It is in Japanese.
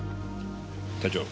隊長。